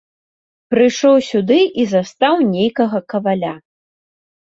Прыйшоў сюды і застаў нейкага каваля.